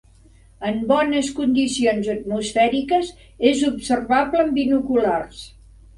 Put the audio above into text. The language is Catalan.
En bones condicions atmosfèriques és observable amb binoculars.